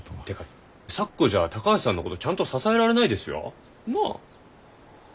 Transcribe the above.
てか咲子じゃ高橋さんのことちゃんと支えられないですよ。なあ？